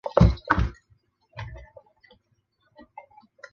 豫皖苏解放区设。